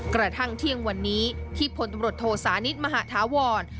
กระทั่งเที่ยงวันนี้ที่พลตำรวจโทสานิทมหาธาวร